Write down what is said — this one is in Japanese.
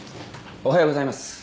おはようございます。